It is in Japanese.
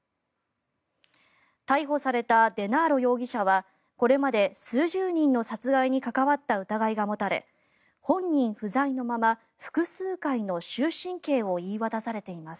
逮捕されたデナーロ容疑者はこれまで数十人の殺害に関わった疑いが持たれ本人不在のまま複数回の終身刑を言い渡されています。